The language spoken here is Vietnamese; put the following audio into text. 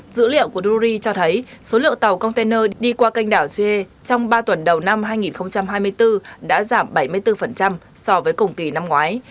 dữ liệu của duri cho thấy số lượng tàu container đi qua kênh đảo sue trong ba tuần đầu năm hai nghìn hai mươi bốn đã giảm bảy mươi bốn so với cùng kỳ năm ngoái